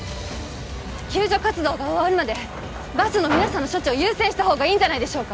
救助活動が終わるまでバスの皆さんの処置を優先したほうがいいんじゃないでしょうか？